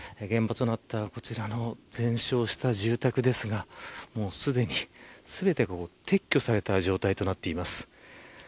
現場となった、こちらの全焼した住宅ですがすでに、全てが撤去された状態となっています。